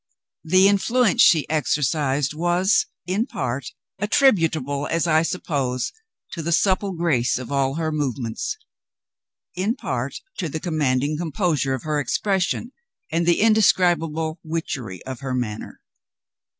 The influence she exercised was, in part, attributable, as I suppose, to the supple grace of all her movements; in part, to the commanding composure of her expression and the indescribable witchery of her manner.